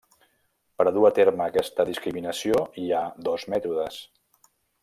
Per a dur a terme aquesta discriminació hi ha dos mètodes.